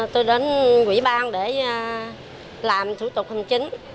tôi đến quỹ ban để làm thủ tục hành chính